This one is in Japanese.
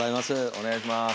お願いします。